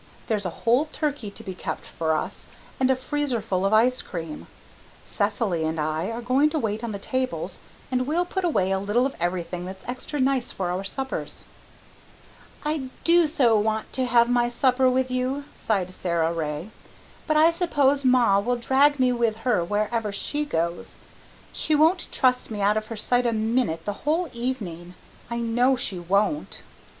"There's a whole turkey to be kept for us, and a freezerful of ice cream. Cecily and I are going to wait on the tables, and we'll put away a little of everything that's extra nice for our suppers." "I do so want to have my supper with you," sighed Sara Ray, "but I s'pose ma will drag me with her wherever she goes. She won't trust me out of her sight a minute the whole evening I know she won't."